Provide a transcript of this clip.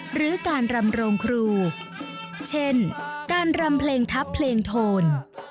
หรือการรำโรงครูเช่นการรำเพลงทัพเพลงโทน